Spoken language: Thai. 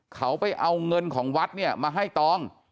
เขาไปเอาเงินของวัดเนี่ยมาให้ตอง